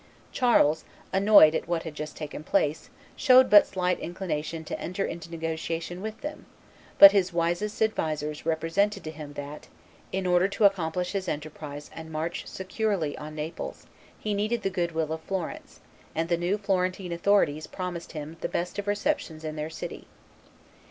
Charles, annoyed at what had just taken place, showed but slight inclination to enter into negotiation with them; but his wisest advisers represented to him that, in order to accomplish his enterprise and march securely on Naples, he needed the good will of Florence; and the new Florentine authorities promised him the best of receptions in their city.